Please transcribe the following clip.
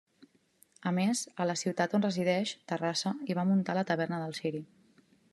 A més a la ciutat on resideix, Terrassa, hi va muntar la Taverna del Ciri.